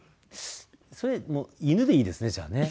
それもう犬でいいですねじゃあね。